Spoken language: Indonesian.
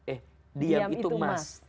eh diam itu emas